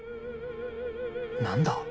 何だ？